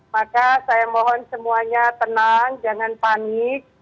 maka saya mohon semuanya tenang jangan panik